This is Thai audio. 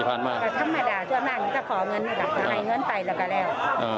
อ่ะธรรมดาช่วงนั้นจะขอเงินมากก็ให้เงินไปแล้วกันแล้ว